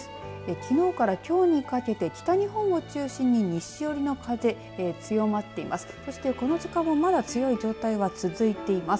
きのうからきょうにかけて北日本を中心に西寄りの風、強まっています。